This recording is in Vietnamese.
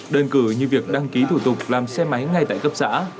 đơn cử như việc đăng ký thủ tục làm xe máy ngay tại cấp xã